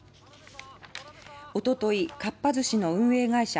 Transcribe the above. おとといかっぱ寿司の運営会社